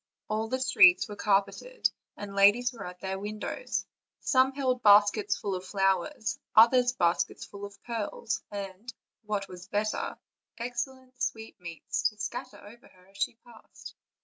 All the streets were carpeted, and ladies were at the windows; some held, baskets full of flowers, others baskets full of pearls, and, : what was better, excellent sweetmeats, to scatter over her as she passed.